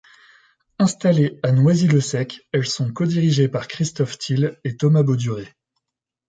Installées à Noisy-le-Sec, elles sont codirigées par Christophe Thill et Thomas Bauduret.